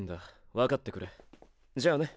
わかってくれじゃあね。